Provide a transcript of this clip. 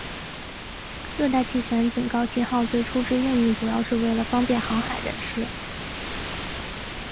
热带气旋警告信号最初之用意主要是为了方便航海人士。